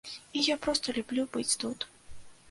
І я проста люблю быць тут.